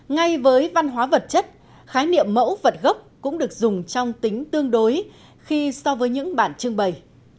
ngay với văn hóa vật chất khái niệm mẫu vật gốc cũng được dùng trong tính tương đối khi so với những bản trưng bày